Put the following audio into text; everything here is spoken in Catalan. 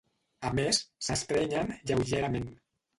A més, s'estrenyen lleugerament.